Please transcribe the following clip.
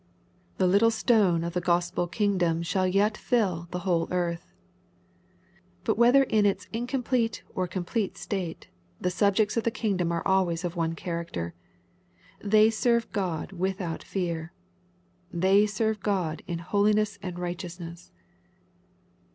The little stone of the LUKE, CHAP. I. 47 Gospel kingdom shall yet fill the whole earth. But whether in its incomplete or complete state, the suhjects of the kingdom are always of one character. They " serve God without fear." They serve God in " holi ness and righteousness.